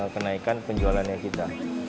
kenaikan penjualannya kita